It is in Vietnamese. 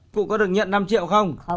cụ có được nhận năm triệu không